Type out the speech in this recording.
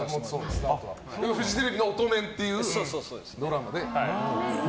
フジテレビの「オトメン」というドラマで。